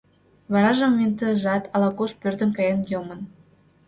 Варажым винтыжат ала-куш пӧрдын каен йомын.